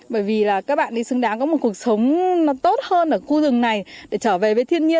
bởi vì các bạn ấy xứng đáng có một cuộc sống tốt hơn ở khu rừng này để trở về với thiên nhiên